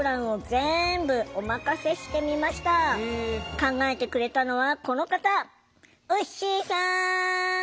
考えてくれたのはこの方！